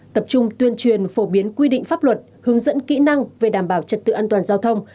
tập trung tuyên truyền phổ biến quy định pháp luật hướng dẫn kỹ năng về đảm bảo trật tự an toàn giao thông